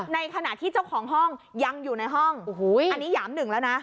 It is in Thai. ในขณะที่เจ้าของห้องยังอยู่ในห้องอันนี้หยามหนึ่งแล้วนะ